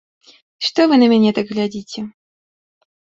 Што вы на мяне так глядзіце?